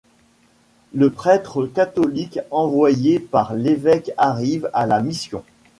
Le prêtre catholique envoyé par l'évêque arrive à la mission.